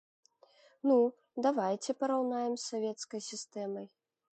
Ну, давайце параўнаем з савецкай сістэмай.